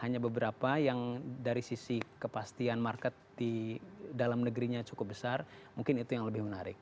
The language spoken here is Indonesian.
hanya beberapa yang dari sisi kepastian market di dalam negerinya cukup besar mungkin itu yang lebih menarik